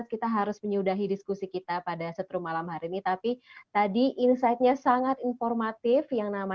kita harus menjaga happiness ya